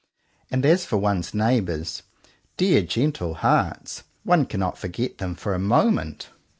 And as for one's neighbors — dear, gentle hearts! — one cannot forget them for a moment.